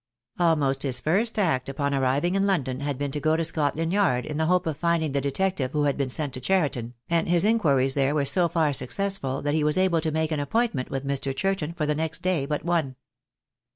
Almost his first act upon arriving in London had been to go to Scotland Yard in the hope of finding the de tective who had been sent to Cheriton, and his inquiries there were so far successful that he was able to make an appointment with Mr. Churton for the next day but one.